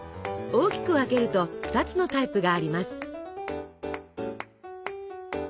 大きく分けると２つのタイプがあります。